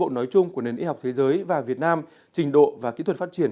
với tiến bộ nói chung của nền y học thế giới và việt nam trình độ và kỹ thuật phát triển